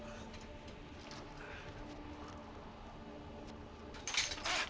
pertama kita bisa mengambil ini